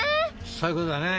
そういう事だね。